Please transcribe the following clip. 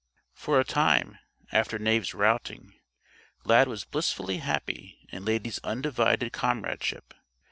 For a time after Knave's routing, Lad was blissfully happy in Lady's undivided comradeship.